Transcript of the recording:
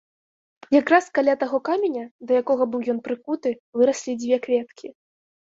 Якраз каля таго каменя, да якога быў ён прыкуты, выраслі дзве кветкі.